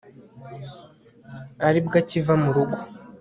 ari bwo akiva mu rugo